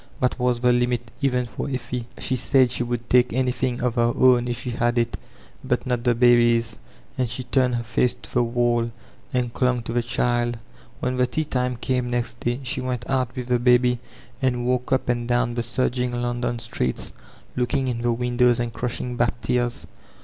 That was the limit, even for Effie. She said she would take anything of her own if she had it, but not the baby's; and she turned her face to the wall and chiQg to the child. When the tea time came next day she went out with the baby and walked up and down the surging London streets looking in the windows and crushing back tears.